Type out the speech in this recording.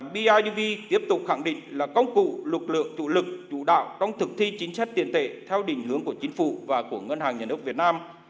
bidv tiếp tục khẳng định là công cụ lực lượng chủ lực chủ đạo trong thực thi chính sách tiền tệ theo định hướng của chính phủ và của ngân hàng nhà nước việt nam